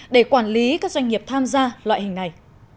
để quản lý các doanh nghiệp tham gia loại hình này